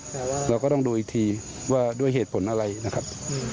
แต่ว่าเราก็ต้องดูอีกทีว่าด้วยเหตุผลอะไรนะครับ